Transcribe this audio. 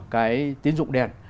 cái tín dụng đen